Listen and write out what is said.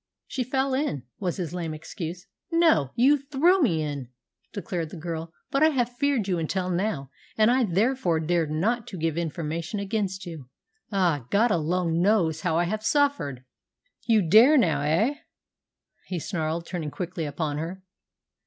"She fell in," was his lame excuse. "No, you threw me in!" declared the girl. "But I have feared you until now, and I therefore dared not to give information against you. Ah, God alone knows how I have suffered!" "You dare now, eh?" he snarled, turning quickly upon her.